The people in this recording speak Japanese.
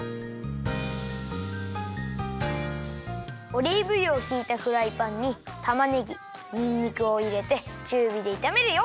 オリーブ油をひいたフライパンにたまねぎにんにくをいれてちゅうびでいためるよ。